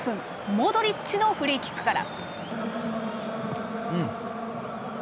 モドリッチのフリーキックから。